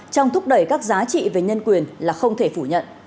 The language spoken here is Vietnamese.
trong thúc đẩy các giá trị về nhân quyền là không thể phủ nhận